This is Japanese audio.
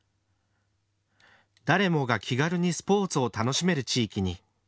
誰もが気軽にスポーツを楽しめる地域に。